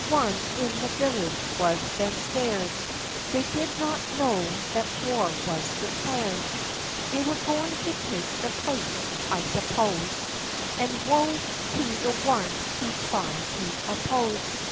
Every one in the village was then scared ; They did not know that war was declared. They were going to take the place, I suppose ; And woe to the one who'd try to oppose.